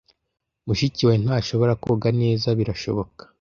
Mushiki wawe ntashobora koga neza, birashoboka?